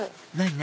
何？